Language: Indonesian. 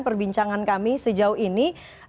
perbincangan kami sejauh ini